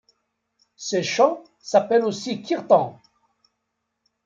Ces chants s'appellent aussi kirtans.